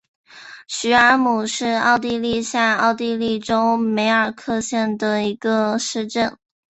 许尔姆是奥地利下奥地利州梅尔克县的一个市镇。